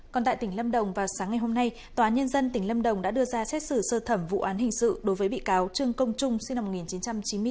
còn tại tỉnh lâm đồng vào sáng ngày hôm nay tòa nhân dân tỉnh lâm đồng đã đưa ra xét xử sơ thẩm vụ án hình sự đối với bị cáo trương công trung sinh năm một nghìn chín trăm chín mươi bốn